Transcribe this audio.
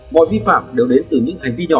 mọi vi phạm đều đến từ những hành vi nhỏ